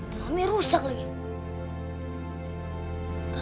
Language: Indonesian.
nomornya rusak lagi